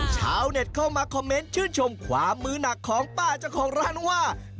ชาวเน็ตเข้ามาคอมเมนต์ชื่นชมความมือหนักของป้าเจ้าของร้านว่า